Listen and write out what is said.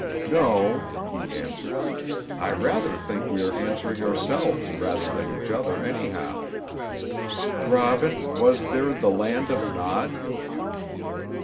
"No," he answered, "I rather think that we are answering ourselves rather than each other, anyhow. Robin, where was 'the land of Nod'?"